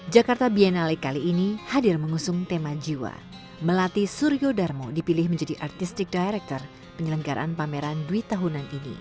jakarta biennale kali ini hadir mengusung tema jiwa melati suryo darmo dipilih menjadi artistic director penyelenggaraan pameran dwi tahunan ini